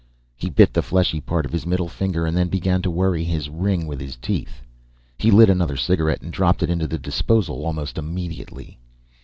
He bit the fleshy part of his middle finger and then began to worry his ring with his teeth. He lit another cigarette and dropped it into the disposal almost immediately.